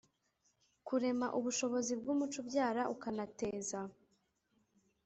Kurema ubushobozi bw umuco ubyara ukanateza